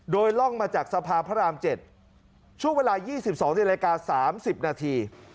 โดยล่องมาจากสภาพระราม๗ช่วงเวลา๒๒นาฬิกา๓๐นาที